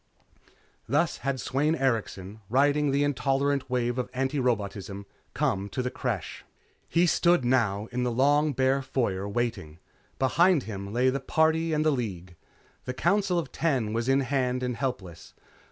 Thus had Sweyn Erikson, riding the intolerant wave of antirobotism, come to the Creche. He stood now, in the long bare foyer, waiting. Behind him lay the Party and the League. The Council of Ten was in hand and helpless.